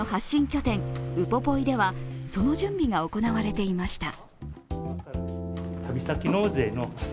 拠点ウポポイではその準備が行われていました。